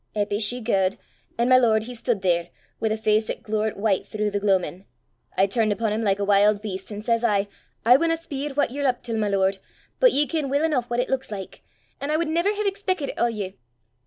"Eppy she gaed; an' my lord he stude there, wi' a face 'at glowert white throuw the gloamin'. I turned upo' him like a wild beast, an' says I, 'I winna speir what ye 're up til, my lord, but ye ken weel eneuch what it luiks like! an' I wud never hae expeckit it o' ye!